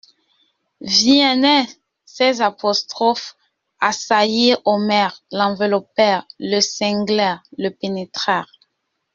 Viennet, ces apostrophes assaillirent Omer, l'enveloppèrent, le cinglèrent, le pénétrèrent.